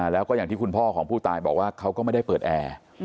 แล้วก็อย่างที่คุณพ่อของผู้ตายบอกว่าเขาก็ไม่ได้เปิดแอร์